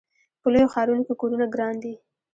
په لویو ښارونو کې کورونه ګران دي.